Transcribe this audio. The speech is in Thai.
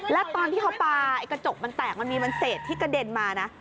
แล้วตอนที่เขาปลากระจกมันแตกมันมีมันเศษที่กระเด็นมานะ